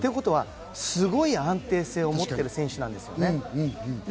っていうことは、すごい安定性を持ってる選手なんですよね。